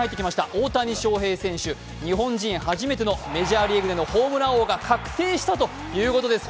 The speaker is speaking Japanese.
大谷翔平選手、日本人初めてのメジャーリーグでのホームラン王が確定したということです。